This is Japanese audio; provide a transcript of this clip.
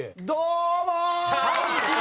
どうもー！